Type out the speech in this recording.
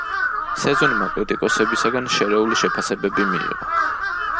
სეზონმა კრიტიკოსებისაგან შერეული შეფასებები მიიღო.